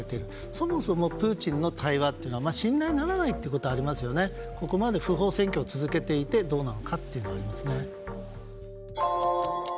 そもそもプーチンとの対話は信頼ならないのでここまで不法占拠を続けていてどうなのかというのはありますね。